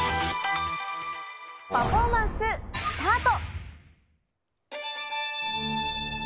パフォーマンススタート。